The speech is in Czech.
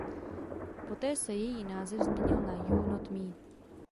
Poté se její název změnil na „You Not Me“.